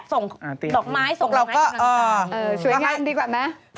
ไม้ส่งมาให้กำลังใจนะครับช่วยงานดีกว่านะครับอเรนนี่โอเค